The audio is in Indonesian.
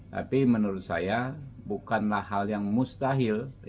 tapi menurut saya bukanlah hal yang mustahil